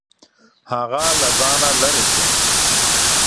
هغه له ځانه لرې شو.